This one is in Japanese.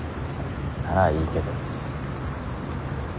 ならいいけど。